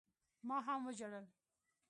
ما هم وجړل.